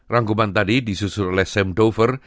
rangkuman tadi disusul oleh sam dover